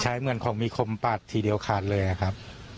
เหมือนของมีคมปาดทีเดียวขาดเลยนะครับ